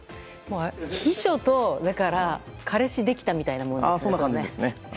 秘書と彼氏できたみたいなものですね。